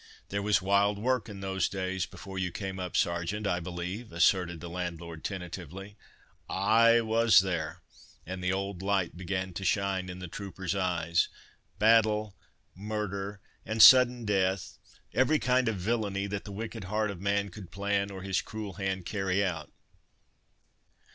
"There was wild work in those days before you came up, Sergeant, I believe!" asserted the landlord, tentatively. "Ay! was there," and the old light began to shine in the trooper's eyes. "Battle, murder, and sudden death, every kind of villany that the wicked heart of man could plan, or his cruel hand carry out.